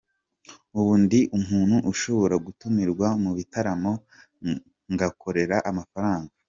Ubu ndi umuntu ushobora gutumirwa mu bitaramo ngakorera amafaranga.